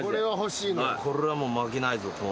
これは負けないぞ。